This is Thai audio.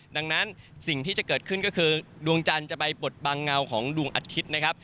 ดังนั้นสิ่งที่จะเกิดขึ้นก็คือดวงจันทร์จะไปบดบังเงาของดวงอาทิตย์นะครับ